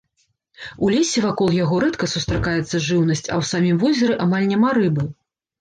У лесе вакол яго рэдка сустракаецца жыўнасць, а ў самім возеры амаль няма рыбы.